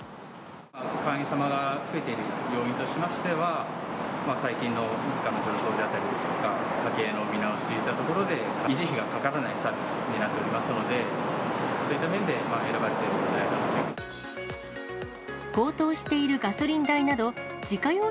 会員様が増えている要因としましては、最近の物価の上昇であったりですとか、家計の見直しといったところで、維持費がかからないサービスになっておりますので、そういった面で選ばれてるんじゃないかと。